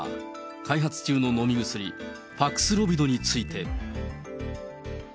開発中の飲み薬、パクスロビドについて。